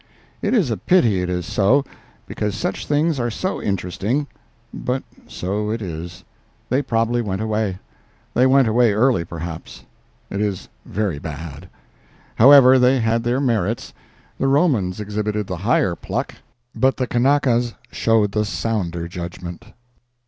It is a pity it is so, because such things are so interesting, but so it is. They probably went away. They went away early, perhaps. It was very bad. However, they had their merits—the Romans exhibited the higher pluck, but the Kanakas showed the sounder judgment.